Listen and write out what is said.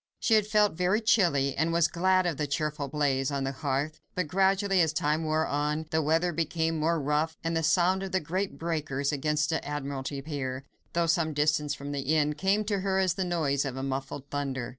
She had felt very chilly, and was glad of the cheerful blaze in the hearth: but gradually, as time wore on, the weather became more rough, and the sound of the great breakers against the Admiralty Pier, though some distance from the inn, came to her as the noise of muffled thunder.